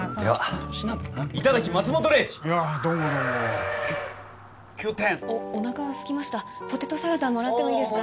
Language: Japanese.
どうもどうも９点おなかすきましたポテトサラダもらってもいいですか？